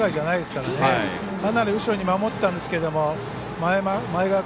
かなり後ろに守ったんですけども前川君